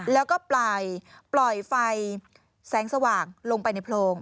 แล้วก็ปล่อยไฟแสงสว่างลงไปในโพรง